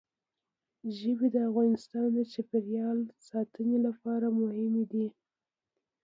ژبې د افغانستان د چاپیریال ساتنې لپاره مهم دي.